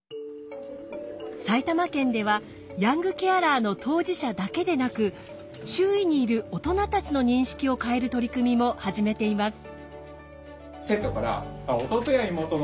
埼玉県ではヤングケアラーの当事者だけでなく周囲にいる大人たちの認識を変える取り組みも始めています。